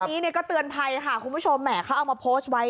อันนี้ก็เตือนภัยค่ะคุณผู้ชมแหมเขาเอามาโพสต์ไว้